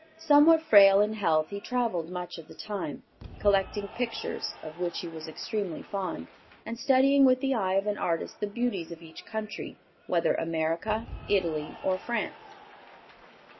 Somewhat frail in health, he travelled much of the time, collecting pictures, of which he was extremely fond, and studying with the eye of an artist the beauties of each country, whether America, Italy, or France.